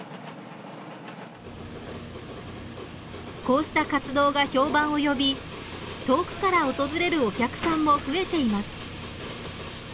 こうした活動が評判を呼び遠くから訪れるお客さんも増えています。